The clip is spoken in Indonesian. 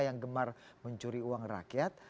yang gemar mencuri uang rakyat